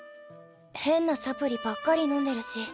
変なサプリばっかり飲んでるし。